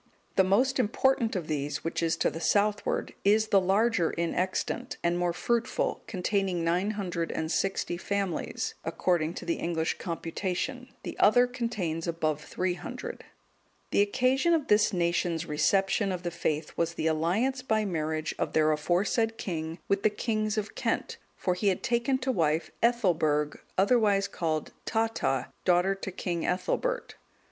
(209) The more important of these, which is to the southward, is the larger in extent, and more fruitful, containing nine hundred and sixty families, according to the English computation; the other contains above three hundred. The occasion of this nation's reception of the faith was the alliance by marriage of their aforesaid king with the kings of Kent, for he had taken to wife Ethelberg, otherwise called Tata,(210) daughter to King Ethelbert.